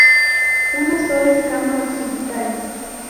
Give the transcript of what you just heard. Una sola escama occipital.